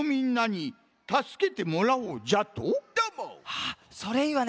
あっそれいいわね。